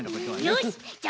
よしじゃ